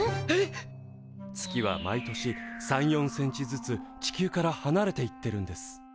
えっ！？月は毎年３４センチずつ地球からはなれていってるんです。